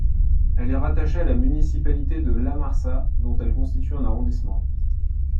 Elle est rattachée à la municipalité de La Marsa dont elle constitue un arrondissement.